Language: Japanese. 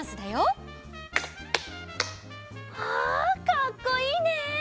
かっこいいね！